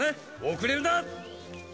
遅れるな！